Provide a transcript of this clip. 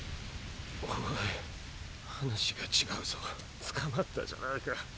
おい話が違うぞ捕まったじゃないか。